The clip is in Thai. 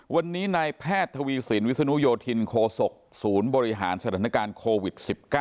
วันนี้นายแพทย์ทวีสินวิศนุโยธินโคศกศูนย์บริหารสถานการณ์โควิด๑๙